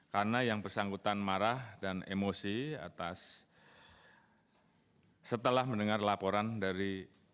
karena yang bersangkutan marah dan emosi atas setelah mendengar laporan dari